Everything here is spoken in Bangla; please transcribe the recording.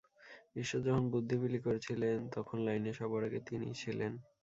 ঈশ্বর যখন বুদ্ধি বিলি করছিলেন, তখন লাইনে সবার আগে তিনিই ছিলেন।